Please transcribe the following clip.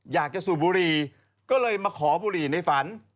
สูบบุหรี่ก็เลยมาขอบุหรี่ในฝัน